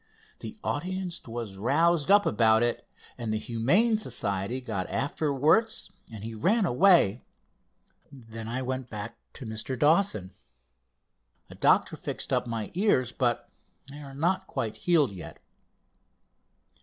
The audience was roused up about it, and the humane society got after Wertz and he ran away. Then I went back to Mr. Dawson. A doctor fixed up my ears, but they are not quite healed yet."